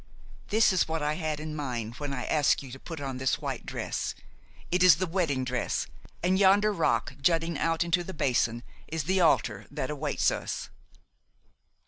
This is what I had in mind when I asked you to put on this white dress; it is the wedding dress; and yonder rock jutting out into the basin is the altar that awaits us."